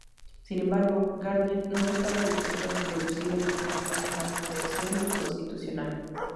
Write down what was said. Sin embargo, Garnett no estaba dispuesto a introducir el diseño en la convención constitucional.